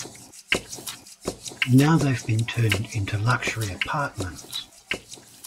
Now they've been turned into luxury apartments.